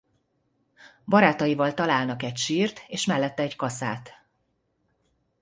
Barátaival találnak egy sírt és mellette egy kaszát.